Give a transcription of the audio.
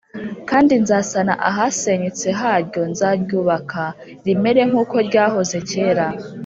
kandi nzasana ahasenyutse haryo, nzaryubaka rimere nk’uko ryahoze kera